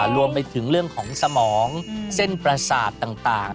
รวมถึงเรื่องของสมองเส้นประสาทต่าง